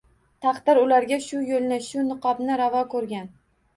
Taqdir ularga shu yo‘lni, shu niqobni ravo ko‘rgan.